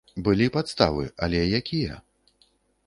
Былі падставы, але якія?